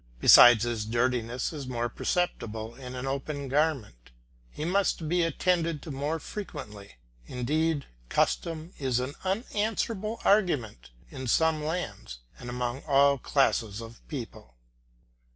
Besides his dirtyness is more perceptible in an open garment; he must be attended to more frequently. Indeed, custom is an unanswerable argument in some lands and among all classes of people.